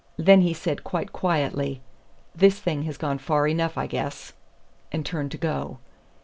Then he said quite quietly: 'This thing has gone far enough, I guess,' and turned to go."